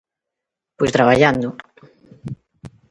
Pois traballando.